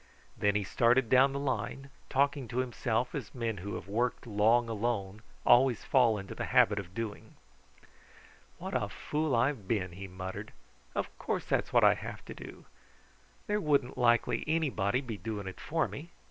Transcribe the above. Then he started down the line, talking to himself as men who have worked long alone always fall into the habit of doing. "What a fool I have been!" he muttered. "Of course that's what I have to do! There wouldn't likely anybody be doing it for me.